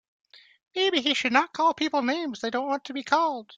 Maybe he should not call people names that they don't want to be called.